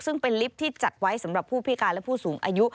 ซึ่งเป็นลิฟท์ที่จัดไว้สำหรับผู้พิการและผู้สูงอายุ